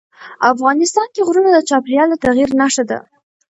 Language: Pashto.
افغانستان کې غرونه د چاپېریال د تغیر نښه ده.